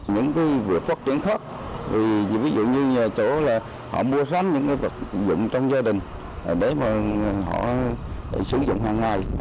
những vượt phát triển khác ví dụ như chỗ họ mua sánh những vật dụng trong gia đình để họ sử dụng hàng ngày